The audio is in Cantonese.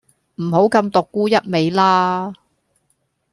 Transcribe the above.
唔好咁獨沽一味啦